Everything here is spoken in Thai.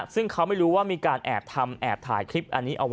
ซึ่งเขาไม่รู้ว่ามีการแอบทำแอบถ่ายคลิปอันนี้เอาไว้